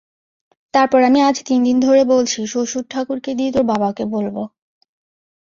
তারপর আমি আজ তিনদিন ধরে বলছি শ্বশুর-ঠাকুরকে দিয়ে তোর বাবাকে বলবো।